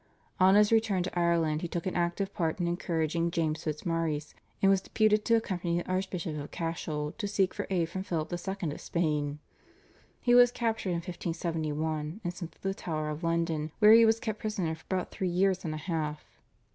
On his return to Ireland he took an active part in encouraging James Fitzmaurice, and was deputed to accompany the Archbishop of Cashel to seek for aid from Philip II. of Spain. He was captured in 1571 and sent to the Tower of London, where he was kept prisoner for about three years and a half.